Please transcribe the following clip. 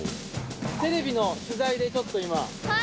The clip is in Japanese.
テレビの取材でちょっと今。